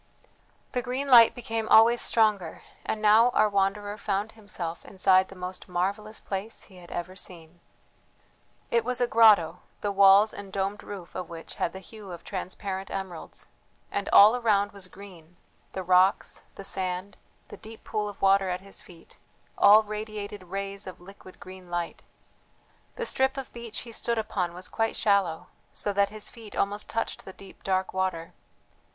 The green light became always stronger; and now our wanderer found himself inside the most marvellous place he had ever seen. It was a grotto, the walls and domed roof of which had the hue of transparent emeralds; and all around was green the rocks, the sand, the deep pool of water at his feet, all radiated rays of liquid green light. The strip of beach he stood upon was quite shallow, so that his feet almost touched the deep dark water.